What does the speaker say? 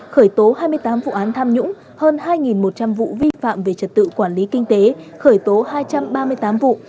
khởi tố hai mươi tám vụ án tham nhũng hơn hai một trăm linh vụ vi phạm về trật tự quản lý kinh tế khởi tố hai trăm ba mươi tám vụ